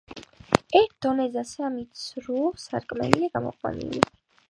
ერთ დონეზე, სამი ცრუ სარკმელია გამოყვანილი.